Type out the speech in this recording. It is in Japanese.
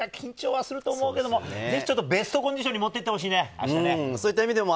今夜あたりから緊張すると思うけれども、ベストコンディションに持っていってほしいね。